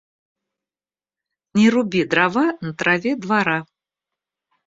Не руби дрова на траве двора.